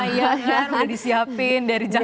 iya kan udah disiapin dari jakarta